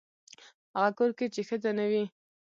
هغه کور کې چې ښځه نه وي.